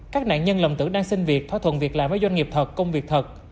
các nạn nhân lầm tử đang sinh việc thỏa thuận việc làm với doanh nghiệp thật công việc thật